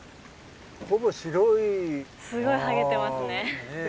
すごいはげてますね。